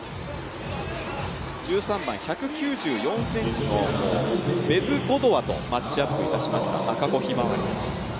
１３番、１９４ｃｍのベズゴドワとマッチアップをしました赤穂ひまわりです。